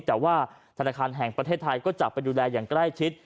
แต่ว่าธนาคารแห่งประเทศไทยก็จะไปดูแลอย่างใกล้ชิด